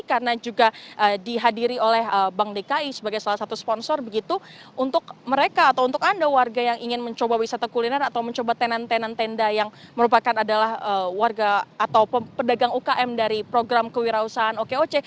karena juga dihadiri oleh bank dki sebagai salah satu sponsor begitu untuk mereka atau untuk anda warga yang ingin mencoba wisata kuliner atau mencoba tenan tenan tenda yang merupakan adalah warga atau pedagang ukm dari program kewirausahaan okoc